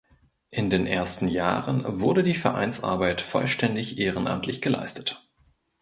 In den ersten Jahren wurde die Vereinsarbeit vollständig ehrenamtlich geleistet.